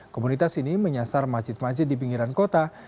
komunitas ini menyasar masjid masjid di pinggiran kota